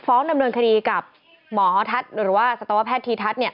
ฟ้องดำเนินคดีกับหมอทัศน์หรือว่าสัตวแพทย์ธีทัศน์